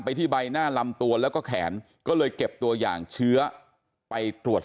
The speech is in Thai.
ที่ใบหน้าลำตัวแล้วก็แขนก็เลยเก็บตัวอย่างเชื้อไปตรวจ